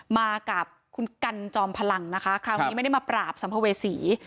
มากับคุณกันจอมพลังนะคะคราวนี้ไม่ได้มาปราบสัมภเวษี